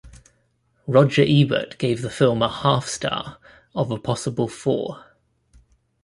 Roger Ebert gave the film a half-star of a possible four.